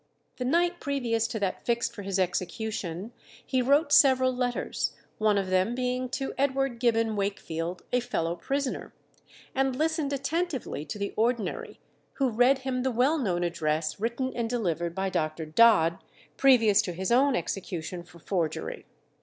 The night previous to that fixed for his execution he wrote several letters, one of them being to Edward Gibbon Wakefield, a fellow prisoner, and listened attentively to the ordinary, who read him the well known address written and delivered by Dr. Dodd previous to his own execution for forgery.